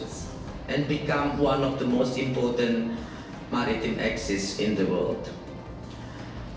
dan menjadi salah satu dari aksi maritim yang paling penting di dunia